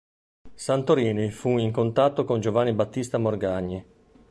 Santorini fu in contatto con Giovanni Battista Morgagni.